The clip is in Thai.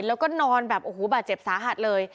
แล้วก็นอนแบบโอ้โหบาดเจ็บสาหัสเลย